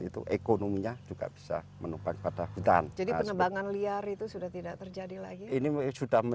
itu ekonominya juga bisa menumpang pada hutan jadi penebangan liar itu sudah tidak terjadi lagi ini